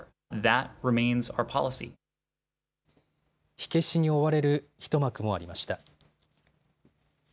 火消しに追われる一幕もありました。